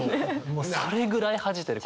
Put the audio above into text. もうそれぐらい恥じてる。